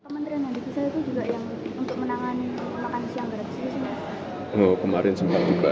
kementerian yang dipisahkan itu juga untuk menangan makan siang gratis bukan